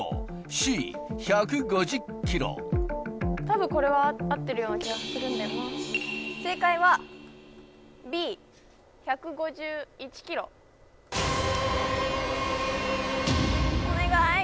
たぶんこれは合ってるような気がするんだよな正解はＢ１５１キロお願い